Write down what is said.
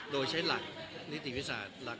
โดยใช้หลักนิตีวิสาห์